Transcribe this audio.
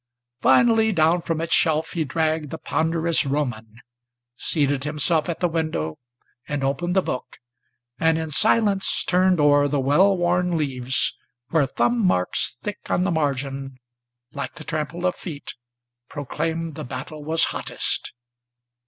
Finally down from its shelf he dragged the ponderous Roman, Seated himself at the window, and opened the book, and in silence Turned o'er the well worn leaves, where thumb marks thick on the margin, Like the trample of feet, proclaimed the battle was hottest.